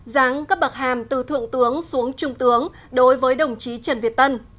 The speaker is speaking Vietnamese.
giáng cấp bậc hàm từ thượng tướng xuống trung tướng đối với đồng chí trần việt tân